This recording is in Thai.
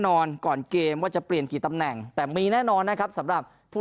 ก่อนเกมว่าจะเปลี่ยนกี่ตำแหน่งแต่มีแน่นอนนะครับสำหรับผู้